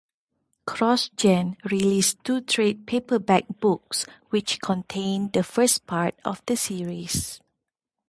CrossGen released two trade paperback books which contained the first part of the series.